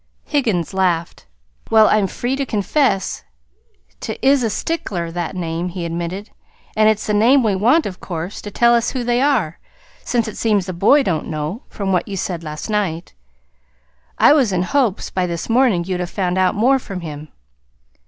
Higgins laughed. "Well, I'm free to confess 't is a sticker that name," he admitted. "And it's the name we want, of course, to tell us who they are since it seems the boy don't know, from what you said last night. I was in hopes, by this morning, you'd have found out more from him."